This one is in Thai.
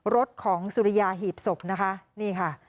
รถของสุริยาหีบศพนะคะนี่ค่ะ